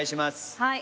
はい。